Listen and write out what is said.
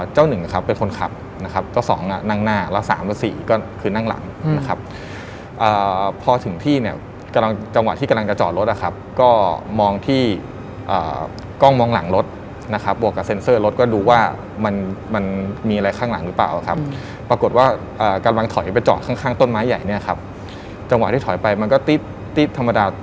หนึ่งนะครับเป็นคนขับนะครับเจ้าสองอ่ะนั่งหน้าแล้วสามกับสี่ก็คือนั่งหลังนะครับพอถึงที่เนี่ยกำลังจังหวะที่กำลังจะจอดรถนะครับก็มองที่กล้องมองหลังรถนะครับบวกกับเซ็นเซอร์รถก็ดูว่ามันมันมีอะไรข้างหลังหรือเปล่าครับปรากฏว่ากำลังถอยไปจอดข้างข้างต้นไม้ใหญ่เนี่ยครับจังหวะที่ถอยไปมันก็ติ๊บติ๊บธรรมดา